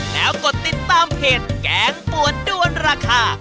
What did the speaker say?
แล้วกดติดตามเพจแกงปวดด้วนราคา